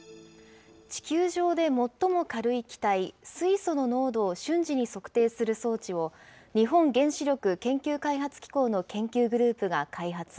地球上で最も軽い気体、水素の濃度を瞬時に測定する装置を、日本原子力研究開発機構の研究グループが開発。